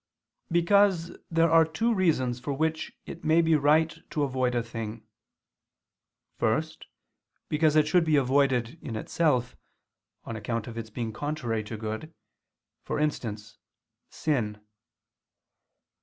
Because there are two reasons for which it may be right to avoid a thing. First, because it should be avoided in itself, on account of its being contrary to good; for instance, sin.